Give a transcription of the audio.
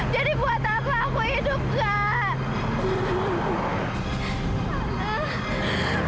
jadi buat apa aku hidup kak